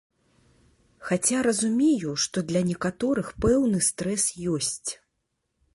Хаця разумею, што для некаторых пэўны стрэс ёсць.